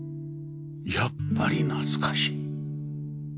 やっぱり懐かしい